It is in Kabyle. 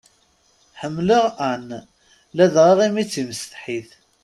Ḥemmleɣ Anne ladɣa imi d timsetḥit.